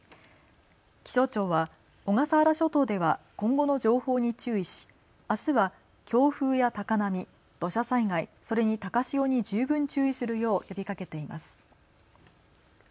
気象庁は小笠原諸島では今後の情報に注意し、あすは強風や高波、土砂災害それに高潮に十分注意するよう呼びかけています。